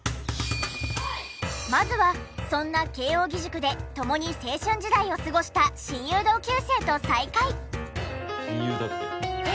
まずはそんな慶應義塾で共に青春時代を過ごした親友同級生と再会。